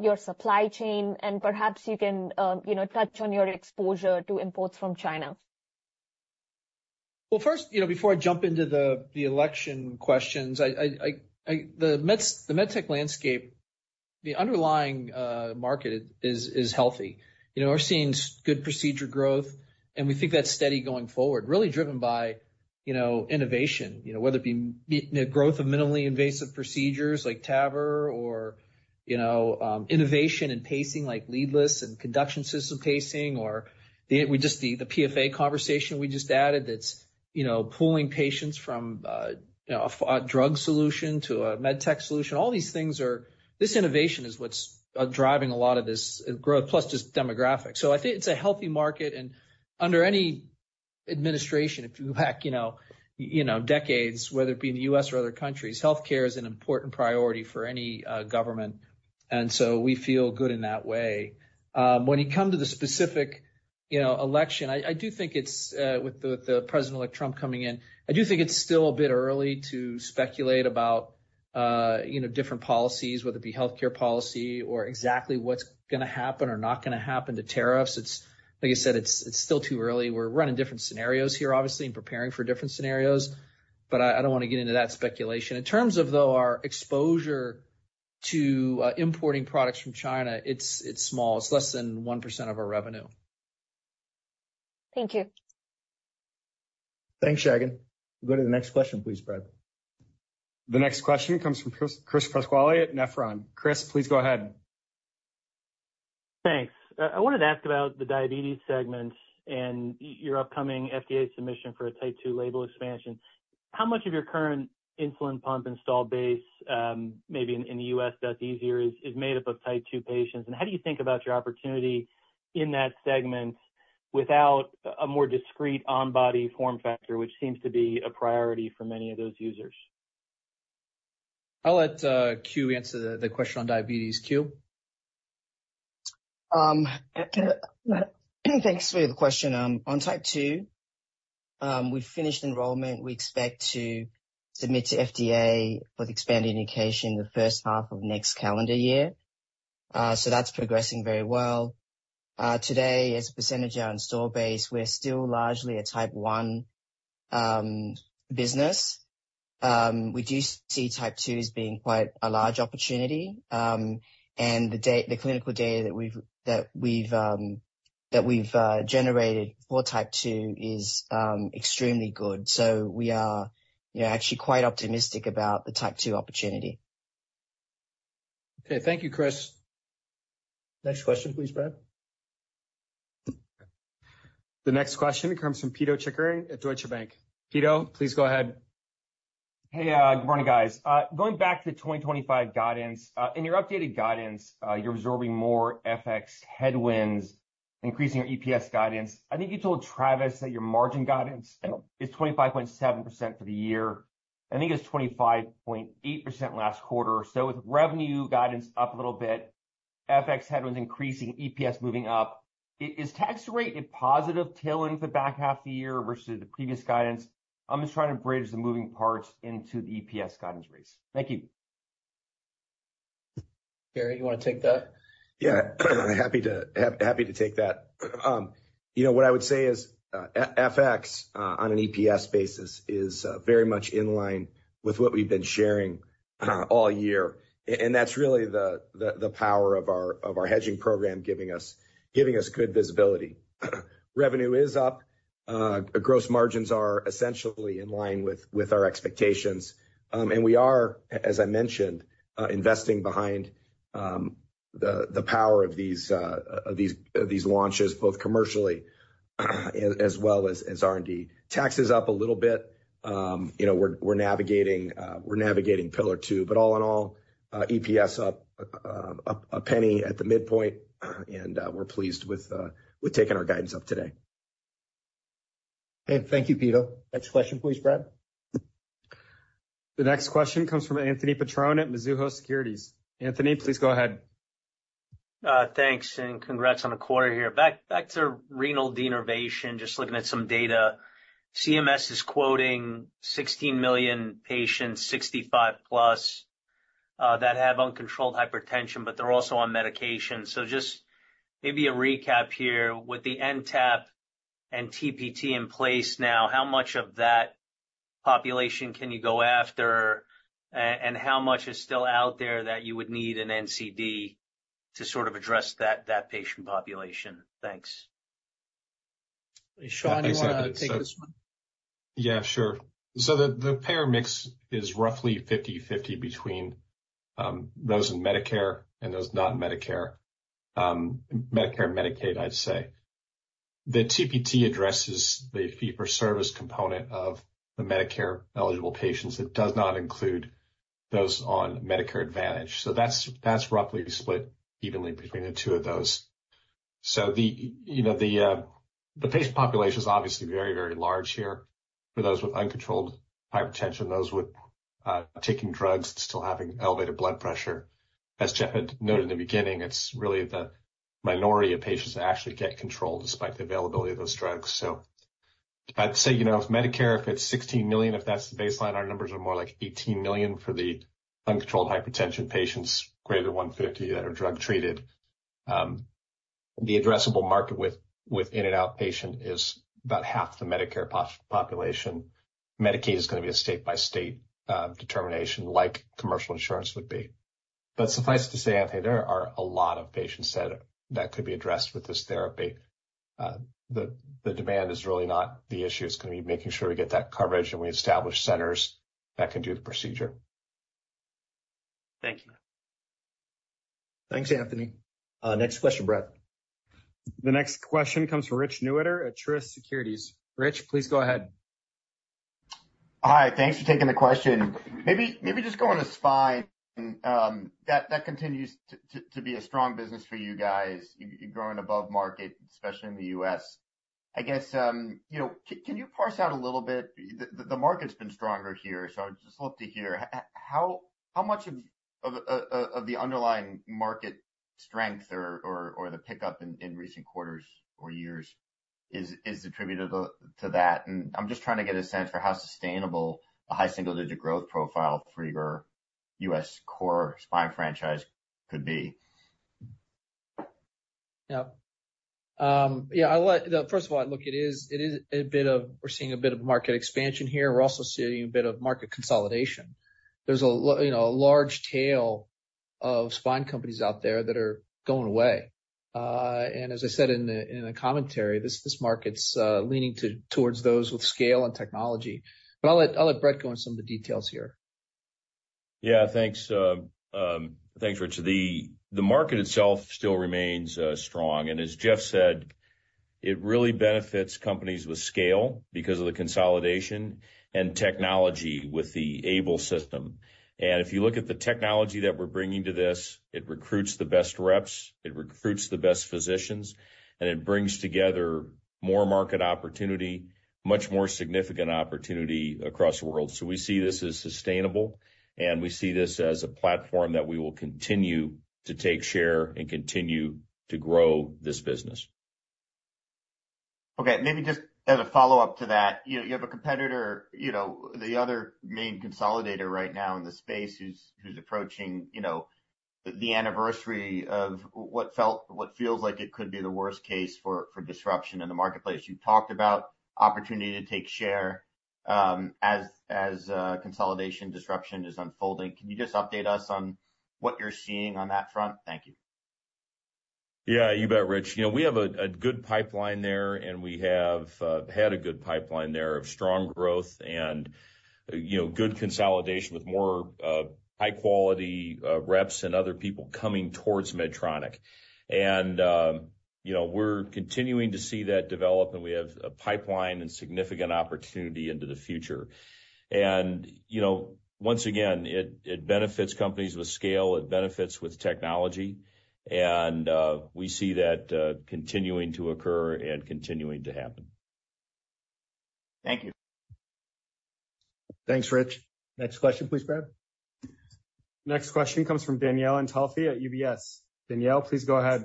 your supply chain? And perhaps you can touch on your exposure to imports from China. First, before I jump into the election questions, the medtech landscape, the underlying market is healthy. We're seeing good procedure growth. We think that's steady going forward, really driven by innovation, whether it be growth of minimally invasive procedures like TAVR or innovation and pacing like leadless and conduction system pacing, or just the PFA conversation we just added that's pulling patients from a drug solution to a medtech solution. All these things are this innovation is what's driving a lot of this growth, plus just demographics. I think it's a healthy market. Under any administration, if you go back decades, whether it be in the U.S., or other countries, healthcare is an important priority for any government. We feel good in that way. When you come to the specific election, I do think it's with the President-elect Trump coming in, I do think it's still a bit early to speculate about different policies, whether it be healthcare policy or exactly what's going to happen or not going to happen to tariffs. Like I said, it's still too early. We're running different scenarios here, obviously, and preparing for different scenarios. But I don't want to get into that speculation. In terms of, though, our exposure to importing products from China, it's small. It's less than 1% of our revenue. Thank you. Thanks, Shagun. We'll go to the next question, please, Brad. The next question comes from Chris Pasquale at Nephron. Chris, please go ahead. Thanks. I wanted to ask about the diabetes segment and your upcoming FDA submission for a type 2 label expansion. How much of your current insulin pump installed base, maybe in the U.S., that's easier is made up of type 2 patients? And how do you think about your opportunity in that segment without a more discreet on-body form factor, which seems to be a priority for many of those users? I'll let Q answer the question on diabetes. Q. Thanks for the question. On type 2, we finished enrollment. We expect to submit to FDA for the expanded indication the first half of next calendar year. So that's progressing very well. Today, as a percentage of installed base, we're still largely a type 1 business. We do see type 2 as being quite a large opportunity. And the clinical data that we've generated for type 2 is extremely good. So we are actually quite optimistic about the type 2 opportunity. Okay. Thank you, Chris. Next question, please, Brad. The next question comes from Pito Chickering at Deutsche Bank. Pito, please go ahead. Hey, good morning, guys. Going back to the 2025 guidance, in your updated guidance, you're absorbing more FX headwinds, increasing your EPS guidance. I think you told Travis that your margin guidance is 25.7% for the year. I think it was 25.8% last quarter. So with revenue guidance up a little bit, FX headwinds increasing, EPS moving up. Is tax rate a positive tailwind for the back half of the year versus the previous guidance? I'm just trying to bridge the moving parts into the EPS guidance raise. Thank you. Gary, you want to take that? Yeah. Happy to take that. What I would say is FX on an EPS basis is very much in line with what we've been sharing all year. And that's really the power of our hedging program, giving us good visibility. Revenue is up. Gross margins are essentially in line with our expectations. And we are, as I mentioned, investing behind the power of these launches, both commercially as well as R&D. Tax is up a little bit. We're navigating Pillar Two. But all in all, EPS up $0.01 at the midpoint. And we're pleased with taking our guidance up today. Okay. Thank you, Peter. Next question, please, Brad. The next question comes from Anthony Petrone at Mizuho Securities. Anthony, please go ahead. Thanks. Congrats on the quarter here. Back to renal denervation, just looking at some data. CMS is quoting 16 million patients, 65-plus, that have uncontrolled hypertension, but they're also on medication. Just maybe a recap here. With the NTAP and TPT in place now, how much of that population can you go after? And how much is still out there that you would need an NCD to sort of address that patient population? Thanks. Sean wants to take this one. Yeah, sure. So the payer mix is roughly 50/50 between those in Medicare and those not in Medicare, Medicare and Medicaid, I'd say. The TPT addresses the fee-for-service component of the Medicare-eligible patients. It does not include those on Medicare Advantage. So that's roughly split evenly between the two of those. So the patient population is obviously very, very large here for those with uncontrolled hypertension, those with taking drugs and still having elevated blood pressure. As Geoff had noted in the beginning, it's really the minority of patients that actually get controlled despite the availability of those drugs. So I'd say if Medicare, if it's 16 million, if that's the baseline, our numbers are more like 18 million for the uncontrolled hypertension patients greater than 150 that are drug-treated. The addressable market with in-and-out patient is about half the Medicare population. Medicaid is going to be a state-by-state determination like commercial insurance would be. But suffice to say, Anthony, there are a lot of patients that could be addressed with this therapy. The demand is really not the issue. It's going to be making sure we get that coverage and we establish centers that can do the procedure. Thank you. Thanks, Anthony. Next question, Brad. The next question comes from Rich Newitter at Truist Securities. Rich, please go ahead. Hi. Thanks for taking the question. Maybe just going to Spine, that continues to be a strong business for you guys. You're growing above market, especially in the U.S. I guess, can you parse out a little bit? The market's been stronger here. So I'd just love to hear how much of the underlying market strength or the pickup in recent quarters or years is attributed to that? And I'm just trying to get a sense for how sustainable a high single-digit growth profile for your U.S., Core Spine franchise could be. Yeah. Yeah. First of all, I look, it is a bit of, we're seeing a bit of market expansion here. We're also seeing a bit of market consolidation. There's a large tail of spine companies out there that are going away. And as I said in the commentary, this market's leaning towards those with scale and technology. But I'll let Brett go in some of the details here. Yeah. Thanks, Rich. The market itself still remains strong. And as Geoff said, it really benefits companies with scale because of the consolidation and technology with the AiBLE system. And if you look at the technology that we're bringing to this, it recruits the best reps. It recruits the best physicians. And it brings together more market opportunity, much more significant opportunity across the world. So we see this as sustainable. And we see this as a platform that we will continue to take share and continue to grow this business. Okay. Maybe just as a follow-up to that, you have a competitor, the other main consolidator right now in the space, who's approaching the anniversary of what feels like it could be the worst case for disruption in the marketplace. You've talked about opportunity to take share as consolidation disruption is unfolding. Can you just update us on what you're seeing on that front? Thank you. Yeah. You bet, Rich. We have a good pipeline there. And we have had a good pipeline there of strong growth and good consolidation with more high-quality reps and other people coming towards Medtronic. And we're continuing to see that develop. And we have a pipeline and significant opportunity into the future. And once again, it benefits companies with scale. It benefits with technology. And we see that continuing to occur and continuing to happen. Thank you. Thanks, Rich. Next question, please, Brad. Next question comes from Danielle Antalffy at UBS. Danielle, please go ahead.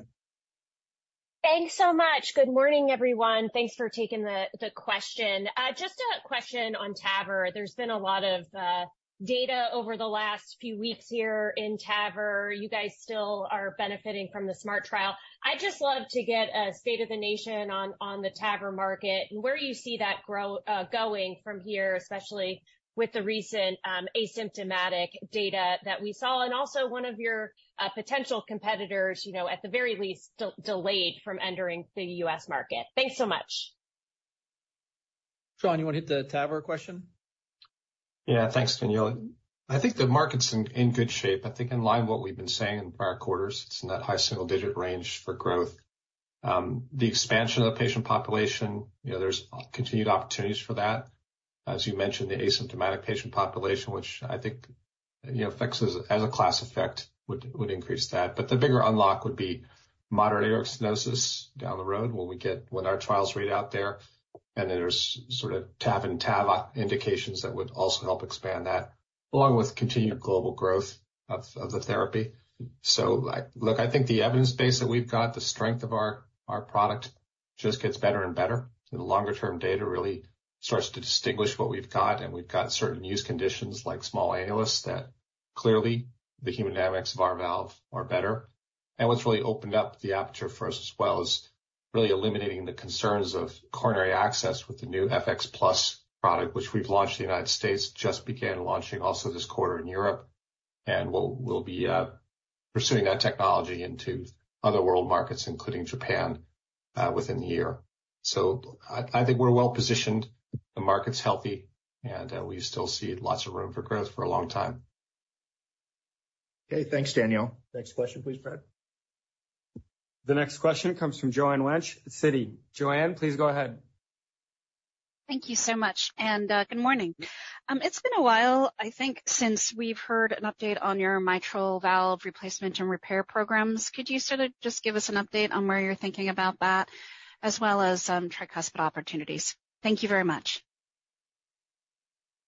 Thanks so much. Good morning, everyone. Thanks for taking the question. Just a question on TAVR. There's been a lot of data over the last few weeks here in TAVR. You guys still are benefiting from the SMART trial. I'd just love to get a state of the nation on the TAVR market and where you see that going from here, especially with the recent asymptomatic data that we saw, and also one of your potential competitors, at the very least, delayed from entering the U.S., market. Thanks so much. Sean, you want to hit the TAVR question? Yeah. Thanks, Danielle. I think the market's in good shape. I think in line with what we've been saying in the prior quarters, it's in that high single-digit range for growth. The expansion of the patient population, there's continued opportunities for that. As you mentioned, the asymptomatic patient population, which I think as a class effect would increase that, but the bigger unlock would be moderate aortic stenosis down the road when we get our trials read out there, and there's sort of TAV-in-TAV indications that would also help expand that, along with continued global growth of the therapy, so look, I think the evidence base that we've got, the strength of our product just gets better and better, and the longer-term data really starts to distinguish what we've got. And we've got certain use conditions like small annulus that clearly the hemodynamics of our valve are better. And what's really opened up the aperture for us as well is really eliminating the concerns of coronary access with the new FX+ product, which we've launched in the United States, just began launching also this quarter in Europe. And we'll be pursuing that technology into other world markets, including Japan, within the year. So I think we're well-positioned. The market's healthy. And we still see lots of room for growth for a long time. Okay. Thanks, Danielle. Next question, please, Brad. The next question comes from Joanne Wuensch, Citi. Joanne, please go ahead. Thank you so much and good morning. It's been a while, I think, since we've heard an update on your mitral valve replacement and repair programs. Could you sort of just give us an update on where you're thinking about that, as well as tricuspid opportunities? Thank you very much.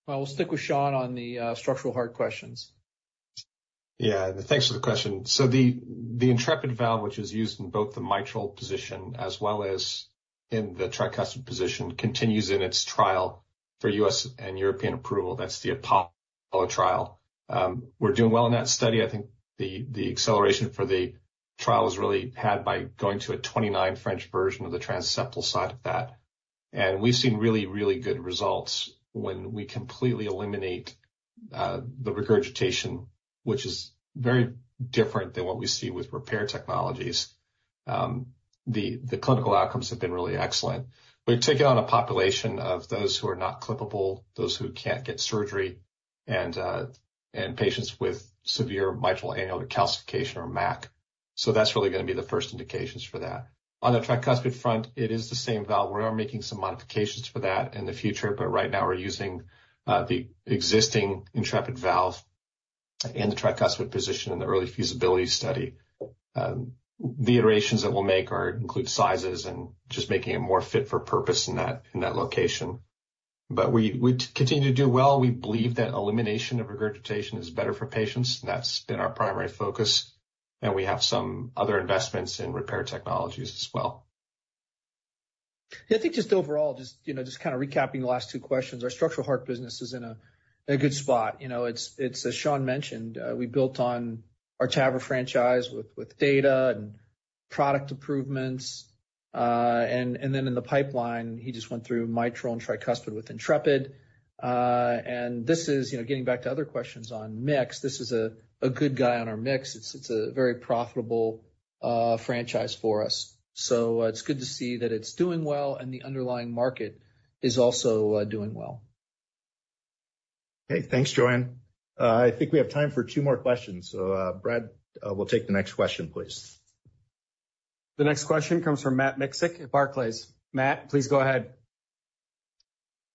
We'll stick with Sean on the Structural Heart questions. Yeah. Thanks for the question. So the Intrepid valve, which is used in both the mitral position as well as in the tricuspid position, continues in its trial for U.S., and European approval. That's the Apollo trial. We're doing well in that study. I think the acceleration for the trial was really had by going to a 29-French version of the transseptal side of that. And we've seen really, really good results when we completely eliminate the regurgitation, which is very different than what we see with repair technologies. The clinical outcomes have been really excellent. We've taken on a population of those who are not clippable, those who can't get surgery, and patients with severe mitral annular calcification or MAC. So that's really going to be the first indications for that. On the tricuspid front, it is the same valve. We are making some modifications for that in the future. But right now, we're using the existing Intrepid valve in the tricuspid position in the early feasibility study. The iterations that we'll make include sizes and just making it more fit for purpose in that location. But we continue to do well. We believe that elimination of regurgitation is better for patients. And that's been our primary focus. And we have some other investments in repair technologies as well. Yeah. I think just overall, just kind of recapping the last two questions, our Structural Heart business is in a good spot. It's, as Sean mentioned, we built on our TAVR franchise with data and product improvements. And then in the pipeline, he just went through mitral and tricuspid with Intrepid. And this is getting back to other questions on mix. This is a good guy on our mix. It's a very profitable franchise for us. So it's good to see that it's doing well. And the underlying market is also doing well. Okay. Thanks, Joanne. I think we have time for two more questions. So Brad, we'll take the next question, please. The next question comes from Matthew Miksic at Barclays. Matt, please go ahead.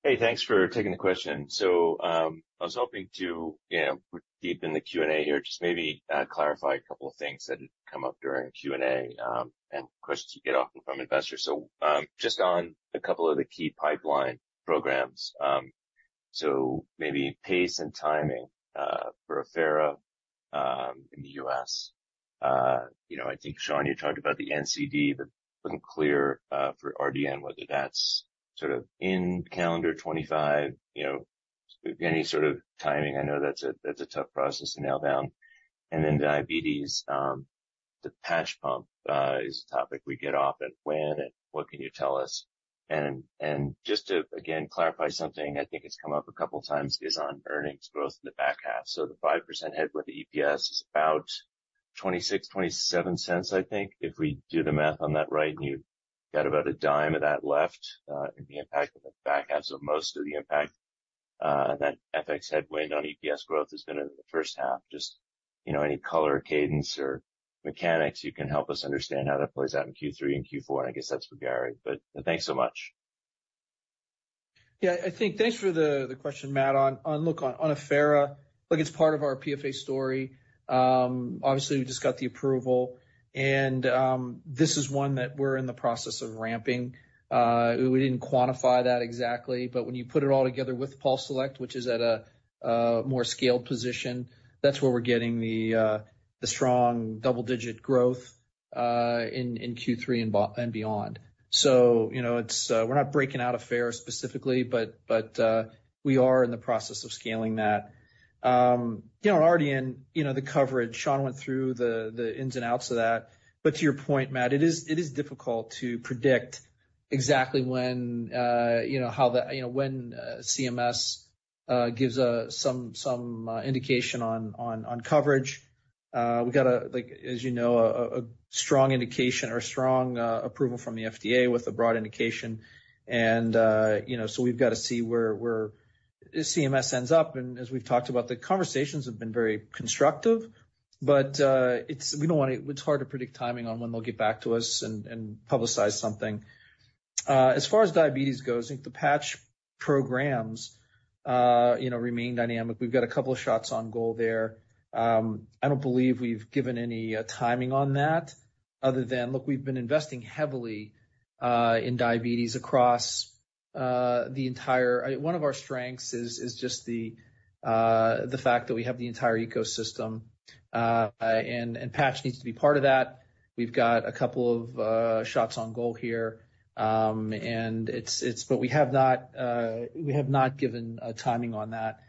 Hey, thanks for taking the question. So I was hoping to deepen the Q&A here, just maybe clarify a couple of things that had come up during Q&A and questions you get often from investors. So just on a couple of the key pipeline programs. So maybe pace and timing for Affera in the U.S. I think, Sean, you talked about the NCD, but it wasn't clear for RDN whether that's sort of in calendar 2025. Any sort of timing, I know that's a tough process to nail down. And then diabetes, the patch pump is a topic we get often. When and what can you tell us? And just to, again, clarify something, I think it's come up a couple of times, is on earnings growth in the back half. So the 5% headwind of EPS is about $0.26-$0.27, I think, if we do the math on that right. And you got about $0.10 of that left in the impact of the back half. So most of the impact that FX headwind on EPS growth has been in the first half. Just any color, cadence or mechanics you can help us understand how that plays out in Q3 and Q4. And I guess that's what, Gary. But thanks so much. Yeah. I think thanks for the question, Matt, on, look, on Affera. Look, it's part of our PFA story. Obviously, we just got the approval. And this is one that we're in the process of ramping. We didn't quantify that exactly. But when you put it all together with PulseSelect, which is at a more scaled position, that's where we're getting the strong double-digit growth in Q3 and beyond. So we're not breaking out Affera specifically, but we are in the process of scaling that. On RDN, the coverage, Sean went through the ins and outs of that. But to your point, Matt, it is difficult to predict exactly when, how, when CMS gives some indication on coverage. We got a, as you know, a strong indication or strong approval from the FDA with a broad indication. And so we've got to see where CMS ends up. As we've talked about, the conversations have been very constructive. But we don't want to. It's hard to predict timing on when they'll get back to us and publicize something. As far as diabetes goes, I think the patch programs remain dynamic. We've got a couple of shots on goal there. I don't believe we've given any timing on that other than, look, we've been investing heavily in diabetes across the entire one of our strengths is just the fact that we have the entire ecosystem. Patch needs to be part of that. We've got a couple of shots on goal here. But we have not given a timing on that.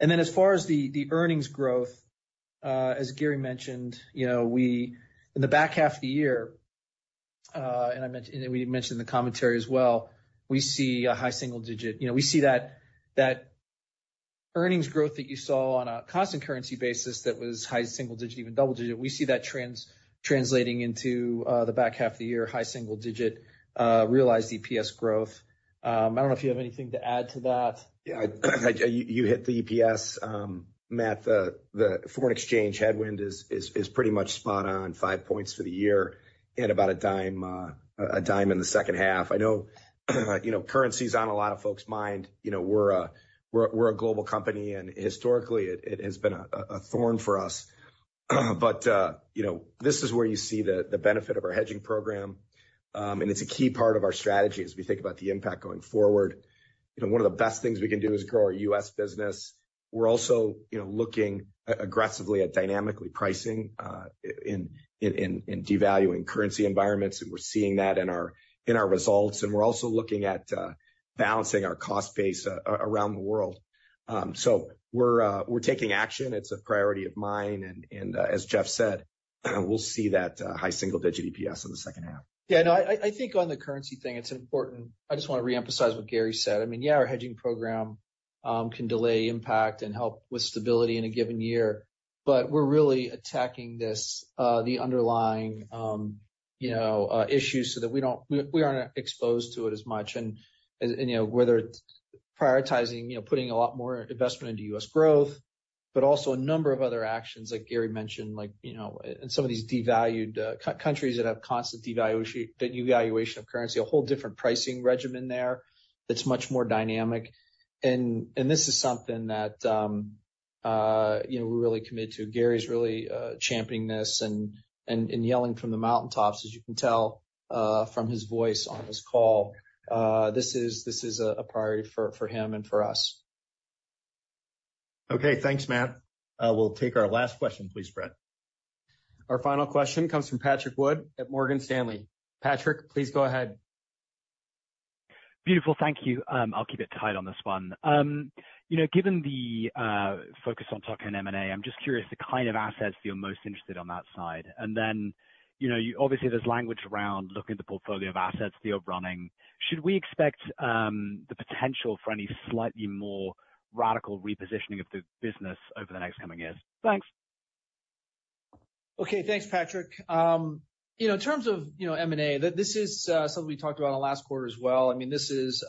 Then as far as the earnings growth, as Gary mentioned, in the back half of the year, and we mentioned in the commentary as well, we see a high single-digit. We see that earnings growth that you saw on a constant currency basis that was high single-digit, even double-digit. We see that translating into the back half of the year, high single-digit, realized EPS growth. I don't know if you have anything to add to that. Yeah. You hit the EPS. Matt, the foreign exchange headwind is pretty much spot on, five points for the year and about a dime in the second half. I know currency is on a lot of folks' mind. We're a global company. And historically, it has been a thorn for us. But this is where you see the benefit of our hedging program. And it's a key part of our strategy as we think about the impact going forward. One of the best things we can do is grow our U.S., business. We're also looking aggressively at dynamically pricing in devaluing currency environments. And we're seeing that in our results. And we're also looking at balancing our cost base around the world. So we're taking action. It's a priority of mine. And as Geoff said, we'll see that high single-digit EPS in the second half. Yeah. No, I think on the currency thing, it's important. I just want to reemphasize what Gary said. I mean, yeah, our hedging program can delay impact and help with stability in a given year. But we're really attacking this, the underlying issue so that we aren't exposed to it as much. And whether it's prioritizing, putting a lot more investment into U.S., growth, but also a number of other actions like Gary mentioned, like in some of these devalued countries that have constant devaluation of currency, a whole different pricing regimen there that's much more dynamic. And this is something that we really commit to. Gary's really championing this and yelling from the mountaintops, as you can tell from his voice on this call. This is a priority for him and for us. Okay. Thanks, Matt. We'll take our last question, please, Brad. Our final question comes from Patrick Wood at Morgan Stanley. Patrick, please go ahead. Beautiful. Thank you. I'll keep it tight on this one. Given the focus on targeted M&A, I'm just curious the kind of assets that you're most interested on that side. And then obviously, there's language around looking at the portfolio of assets that you're running. Should we expect the potential for any slightly more radical repositioning of the business over the next coming years? Thanks. Okay. Thanks, Patrick. In terms of M&A, this is something we talked about in the last quarter as well. I mean, this is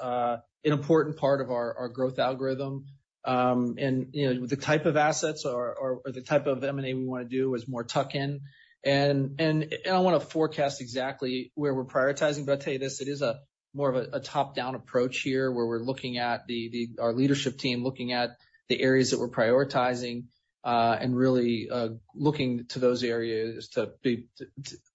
an important part of our growth algorithm. And the type of assets or the type of M&A we want to do is more tuck-in. And I want to forecast exactly where we're prioritizing. But I'll tell you this. It is more of a top-down approach here where we're looking at our leadership team looking at the areas that we're prioritizing and really looking to those areas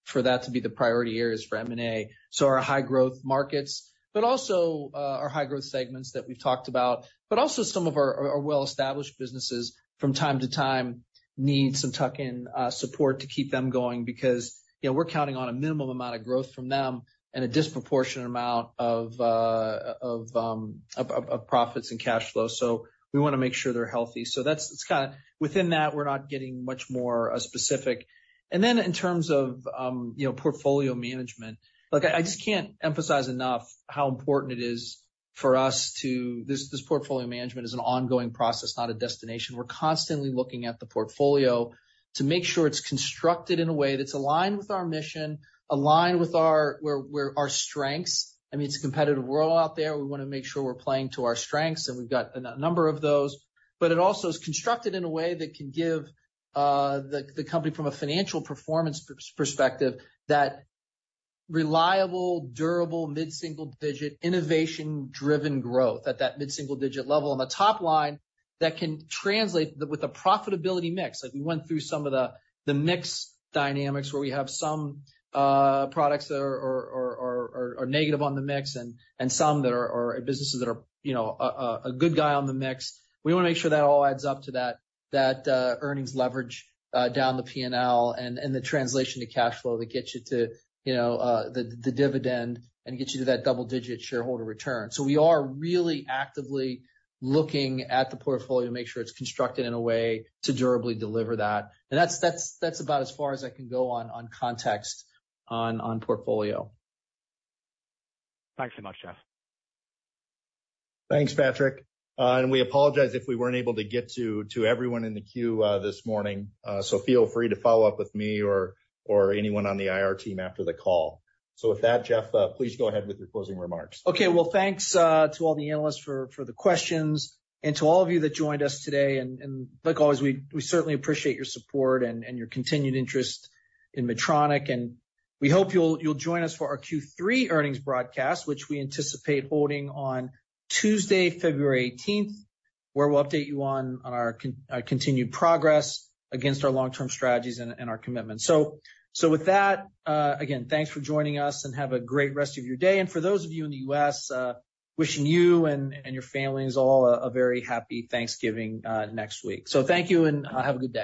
for that to be the priority areas for M&A. So our high-growth markets, but also our high-growth segments that we've talked about, but also some of our well-established businesses from time to time need some tuck-in support to keep them going because we're counting on a minimum amount of growth from them and a disproportionate amount of profits and cash flow. We want to make sure they're healthy. Within that, we're not getting much more specific. In terms of portfolio management, I just can't emphasize enough how important it is for us. This portfolio management is an ongoing process, not a destination. We're constantly looking at the portfolio to make sure it's constructed in a way that's aligned with our mission, aligned with our strengths. I mean, it's a competitive world out there. We want to make sure we're playing to our strengths. We've got a number of those. It also is constructed in a way that can give the company from a financial performance perspective that reliable, durable, mid-single-digit innovation-driven growth at that mid-single-digit level on the top line that can translate with a profitability mix. We went through some of the mix dynamics where we have some products that are negative on the mix and some that are businesses that are a good guy on the mix. We want to make sure that all adds up to that earnings leverage down the P&L and the translation to cash flow that gets you to the dividend and gets you to that double-digit shareholder return. So we are really actively looking at the portfolio to make sure it's constructed in a way to durably deliver that. And that's about as far as I can go on context on portfolio. Thanks so much, Geoff. Thanks, Patrick. And we apologize if we weren't able to get to everyone in the queue this morning. So feel free to follow up with me or anyone on the IR team after the call. So with that, Geoff, please go ahead with your closing remarks. Okay. Well, thanks to all the analysts for the questions and to all of you that joined us today. And like always, we certainly appreciate your support and your continued interest in Medtronic. And we hope you'll join us for our Q3 earnings broadcast, which we anticipate holding on Tuesday, February 18th, where we'll update you on our continued progress against our long-term strategies and our commitments. So with that, again, thanks for joining us and have a great rest of your day. And for those of you in the U.S., wishing you and your families all a very happy Thanksgiving next week. So thank you and have a good day.